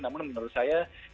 namun menurut saya